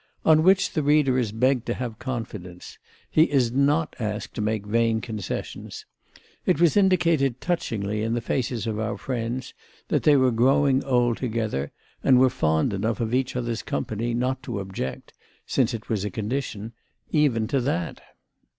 On which the reader is begged to have confidence; he is not asked to make vain concessions. It was indicated touchingly in the faces of our friends that they were growing old together and were fond enough of each other's company not to object—since it was a condition—even to that.